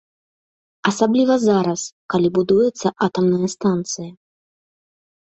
Асабліва зараз, калі будуецца атамная станцыя.